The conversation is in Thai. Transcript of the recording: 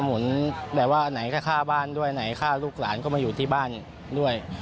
หมุนแบบว่าไหนก็ฆ่าบ้านด้วยไหนฆ่าลูกหลานก็มาอยู่ที่บ้านด้วย